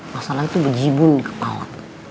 masalahnya tuh berjibun di kepala